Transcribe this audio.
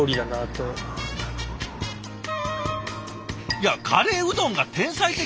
いやカレーうどんが天才的！？